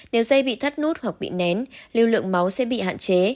nếu dây bị thắt nút hoặc bị nén lưu lượng máu sẽ bị hạn chế